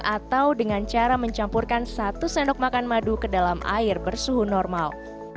atau dengan cara mencampurkan satu sendok makan madu ke dalam air bersuhu normal